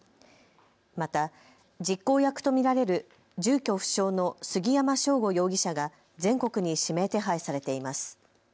また実行役と見られる住居不詳の杉山翔吾容疑者が全国に指名手配されています。